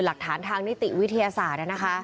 หลักฐานทางนิติวิทยาศาสตร์